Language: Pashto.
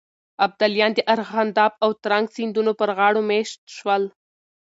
ابداليان د ارغنداب او ترنک سيندونو پر غاړو مېشت شول.